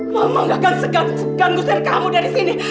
mama nggak akan segan segan ngusir kamu dari sini